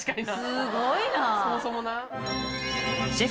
すごいな！